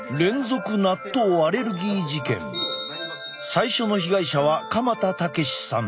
最初の被害者は鎌田武さん。